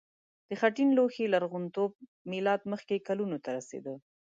د خټین لوښي لرغونتوب میلاد مخکې کلونو ته رسیده.